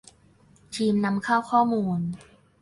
ทีมนำเข้าข้อมูล